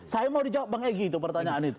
saya mau dijawab bang egy itu pertanyaan itu